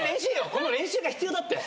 この練習が必要だったよ。